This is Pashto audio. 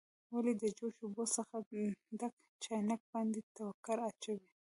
ولې د جوش اوبو څخه ډک چاینک باندې ټوکر اچوئ؟